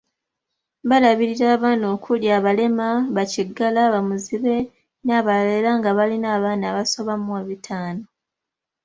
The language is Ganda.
Balabirira abaana okuli; abalema, bakigala, bamuzibe n'abalala era nga balina abaana abasoba mu bitaano.